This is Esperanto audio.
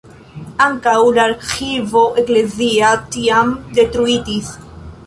Ankaŭ la arĥivo eklezia tiam detruitis.